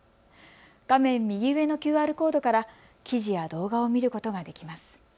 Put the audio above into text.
画面右上のＱＲコードから記事や動画を見ることができます。